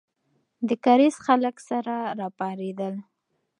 د کارېز خلک سره راپارېدل.